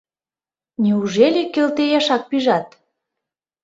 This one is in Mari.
— Неужели Келтеешак пижат?»